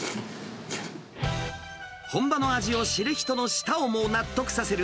本場の味を知る人の舌をも納得させる